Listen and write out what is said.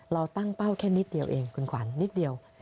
เราตั้งเป้าแค่นิดเดียวเองคุณขวัญนิดเดียว